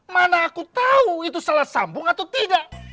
mana aku tahu itu salah sambung atau tidak